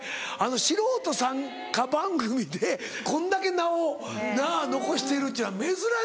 素人さん番組でこんだけ名を残してるっていうのは珍しい。